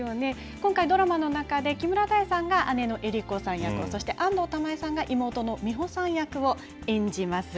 今回、ドラマの中で木村多江さんが姉の江里子さん役を、そして、安藤玉恵さんが妹の美穂さん役を演じます。